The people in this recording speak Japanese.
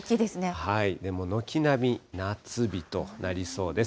もう軒並み夏日となりそうです。